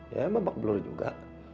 ya bambak bulur juga